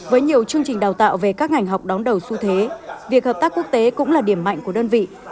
với nhiều chương trình đào tạo về các ngành học đón đầu xu thế việc hợp tác quốc tế cũng là điểm mạnh của đơn vị